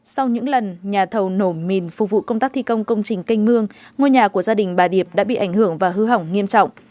sau những lần nhà thầu nổ mìn phục vụ công tác thi công công trình canh mương ngôi nhà của gia đình bà điệp đã bị ảnh hưởng và hư hỏng nghiêm trọng